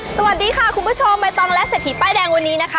สวัสดีค่ะคุณผู้ชมใบตองและเศรษฐีป้ายแดงวันนี้นะคะ